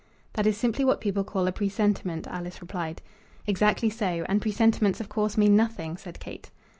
"That is simply what people call a presentiment," Alice replied. "Exactly so; and presentiments, of course, mean nothing," said Kate.